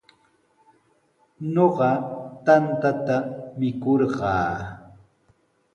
Ñuqa tantata mikurqaa.